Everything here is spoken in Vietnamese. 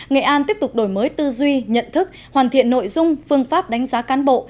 nghệ an tiếp tục đổi mới tư duy nhận thức hoàn thiện nội dung phương pháp đánh giá cán bộ